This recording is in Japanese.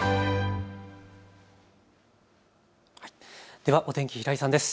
ではお天気、平井さんです。